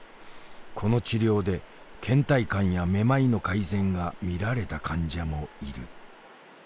この治療でけん怠感やめまいの改善が見られた患者もいる。